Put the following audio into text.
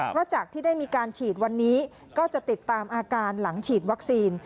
เพราะจากที่ได้มีการฉีดวันนี้ก็จะติดตามอาการหลังฉีดวัคซีน